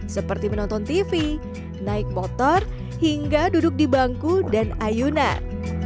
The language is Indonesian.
seperti menonton tv naik motor hingga duduk di bangku dan ayunan